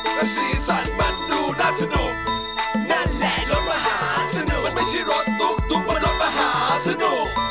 เพราะสีสันมันดูน่าสนุกนั่นแหละรถมหาสนุกมันไม่ใช่รถตุ๊กตุ๊กบนรถมหาสนุก